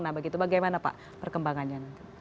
nah begitu bagaimana pak perkembangannya